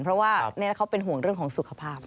เพราะว่าเขาเป็นห่วงเรื่องของสุขภาพ